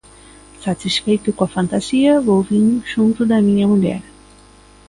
Satisfeito coa fantasía, volvín xunto da miña muller.